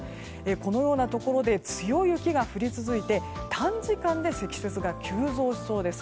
このようなところで強い雪が降り続いて短時間で積雪が急増しそうです。